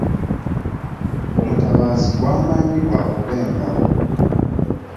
Omutabaazi gwamanyi gwakuba engabo .